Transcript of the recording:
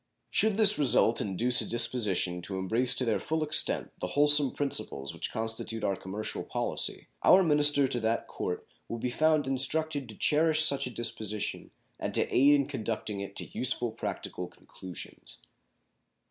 Should this result induce a disposition to embrace to their full extent the wholesome principles which constitute our commercial policy, our minister to that Court will be found instructed to cherish such a disposition and to aid in conducting it to useful practical conclusions.